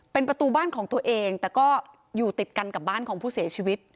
เป็นประตูบ้านของตัวเองแต่ก็อยู่ติดกันกับบ้านของผู้เสียชีวิต